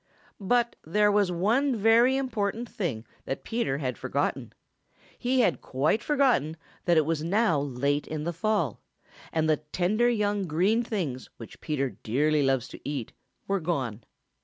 But there was one very important thing that Peter had forgotten. He had quite forgotten that it was now late in the fall, and the tender, young, green things which Peter dearly loves to eat were gone.